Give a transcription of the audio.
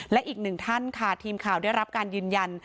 และอีกหนึ่งท่านค่ะทีมข่าวได้รับการยืนยัน